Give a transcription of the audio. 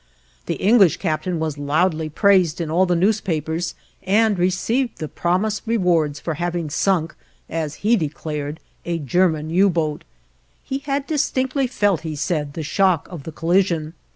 The English captain was loudly praised in all the newspapers and received the promised rewards for having sunk, as he declared, a German U boat; he had distinctly felt, he said, the shock of the collision.